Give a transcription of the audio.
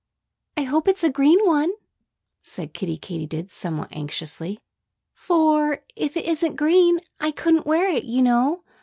"I hope it's a green one!" said Kiddie Katydid somewhat anxiously. "For if it isn't green, I couldn't wear it, you know.